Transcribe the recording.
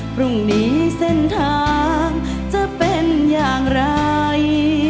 พรุ่งนี้เส้นทางจะเป็นอย่างไร